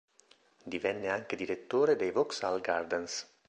Divenne anche direttore dei Vauxhall Gardens.